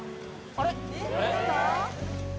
あれ？